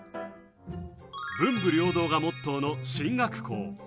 文武両道がモットーの進学校。